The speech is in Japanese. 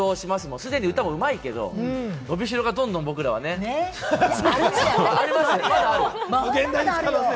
既に歌もうまいけれども、伸びしろがどんどん僕らはね。あるよ、あるよ。